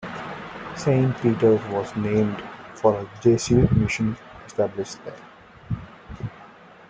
Saint Peters was named for a Jesuit mission established there.